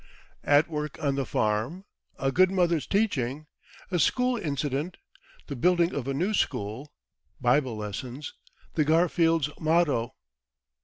At Work on the Farm A Good Mother's Teaching A School Incident The Building of a New School Bible Lessons The Garfields' Motto.